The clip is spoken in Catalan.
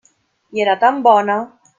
I era tan bona!